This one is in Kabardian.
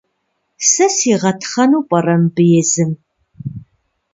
Сэ сигъэтхъэну пӏэрэ мыбы езым?